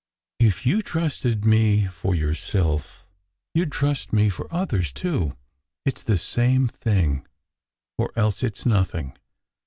If you trusted me for yourself, you d trust me for others, too. It s the same thing or else it s nothing.